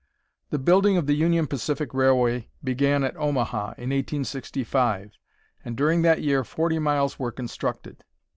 The building of the Union Pacific Railway began at Omaha in 1865, and during that year 40 miles were constructed.